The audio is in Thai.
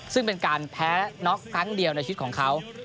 ซึ่งเป็นการแพ้น็อกครั้งเดียวในชีวิตของเขา